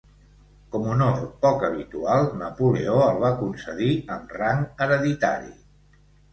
Com honor poc habitual Napoleó el va concedir amb rang hereditari.